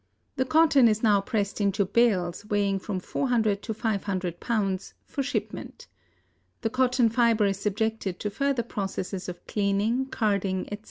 The cotton is now pressed into bales, weighing from 400 to 500 pounds, for shipment. The cotton fiber is subjected to further processes of cleaning, carding, etc.